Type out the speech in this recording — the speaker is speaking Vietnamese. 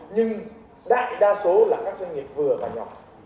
nhưng đa số là các doanh nghiệp vừa và nhỏ